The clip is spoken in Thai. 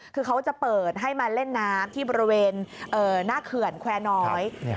คือเขาจะเปิดให้มาเล่นน้ำที่บริเวณหน้าเขื่อนแควร์น้อย